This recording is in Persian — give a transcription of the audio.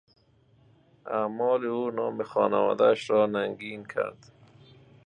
اعمال او نام خانوادهاش را ننگین کرد.